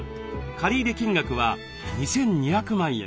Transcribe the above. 借入金額は２，２００万円。